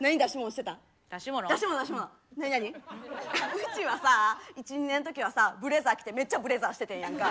うちはさ１２年の時はさブレザー着てめっちゃブレザーしててんやんか。